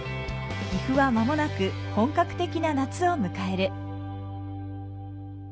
岐阜はまもなく本格的な夏を迎える。